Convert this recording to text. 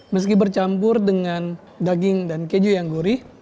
meski bercampur dengan daging dan keju yang gurih